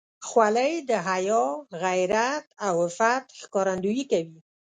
خولۍ د حیا، غیرت او عفت ښکارندویي کوي.